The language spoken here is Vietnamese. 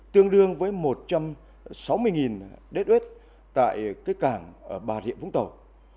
tương đương với một trăm sáu mươi đết út tại cảng bà rịa vũng tàu